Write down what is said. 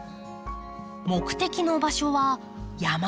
目的の場所は山の中。